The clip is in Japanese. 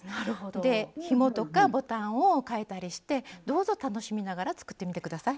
でひもとかボタンをかえたりしてどうぞ楽しみながら作ってみて下さい。